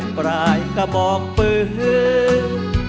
ปลายกระบอกปืน